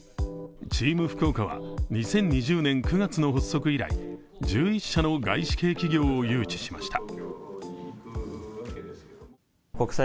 チーム福岡は、２０２０年９月の発足以来１１社の外資系企業を誘致しました。